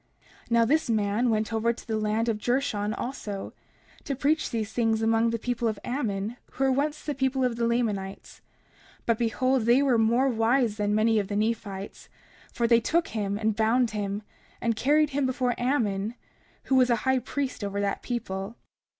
30:19 Now this man went over to the land of Jershon also, to preach these things among the people of Ammon, who were once the people of the Lamanites. 30:20 But behold they were more wise than many of the Nephites; for they took him, and bound him, and carried him before Ammon, who was a high priest over that people.